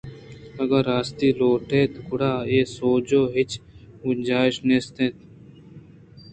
اگاں راستی ءَ لوٹ اِت گڑا اے سوج ءِ ہچ گنجائش نیست اِنت